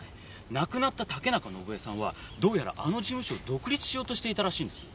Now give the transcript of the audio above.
亡くなった竹中伸枝さんはどうやらあの事務所を独立しようとしていたらしいんですよ。